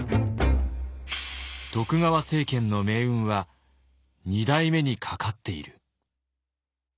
徳川政権の命運は二代目にかかっている。